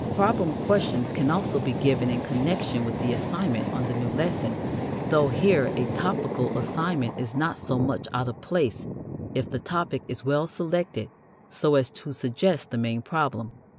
Problem questions can also be given in connection with the assignment on the new lesson, though here a topical assignment is not so much out of place if the topic is well selected so as to suggest the main problem.